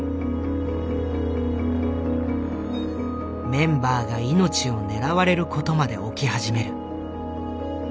メンバーが命を狙われることまで起き始める。